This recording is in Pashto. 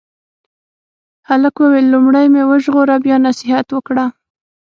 هلک وویل لومړی مې وژغوره بیا نصیحت وکړه.